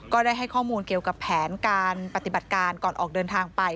ได้ให้ข้อมูลเกี่ยวกับแผนการปฏิบัติการก่อนออกเดินทางไป